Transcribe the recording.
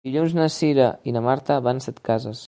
Dilluns na Cira i na Marta van a Setcases.